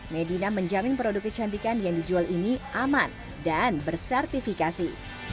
medina menjamin produk kecantikan yang dijual ini aman dan bersertifikasi